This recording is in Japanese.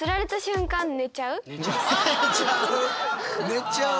寝ちゃう？